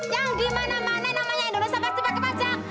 yang dimana mana namanya indonesia pasti pakai pajak